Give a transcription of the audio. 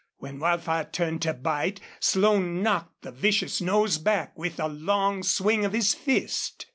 When Wildfire turned to bite, Slone knocked the vicious nose back with a long swing of his fist.